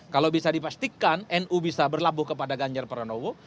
kalau bisa dipastikan nu bisa berlabuh kepada ganjar pranowo